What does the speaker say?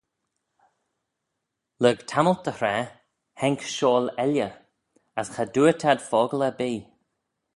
Lurg tammylt dy hraa haink shiaull elley, as cha dooyrt ad fockle erbee.